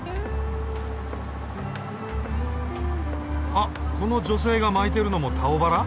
あこの女性が巻いてるのも「タオバラ」？